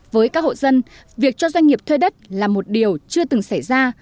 với các hộ dân việc cho doanh nghiệp thuê đất là một điều chưa từng xảy ra